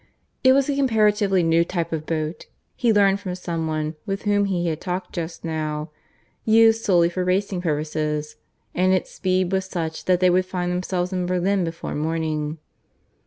It was a comparatively new type of boat, he learned from some one with whom he had talked just now, used solely for racing purposes; and its speed was such that they would find themselves in Berlin before morning.